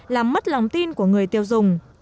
làm mất lòng tin của người tiêu dùng